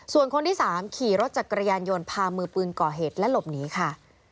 ส่วนคนที่๓ขี่รถจักรยานยนต์พามือปืนก่อเหตุและหลบหนีค่ะ